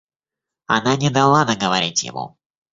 Она не дала договорить ему.